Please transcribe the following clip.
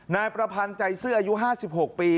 นายประพันธ์ใจซื่ออายุ๕๖ปี